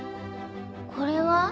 これは？